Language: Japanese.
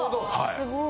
すごい！